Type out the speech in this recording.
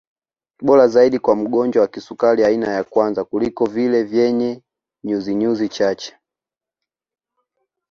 Bora zaidi kwa mgonjwa wa kisukari aina ya kwanza kuliko vile vyenye nyuzinyuzi chache